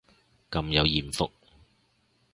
咁有艷福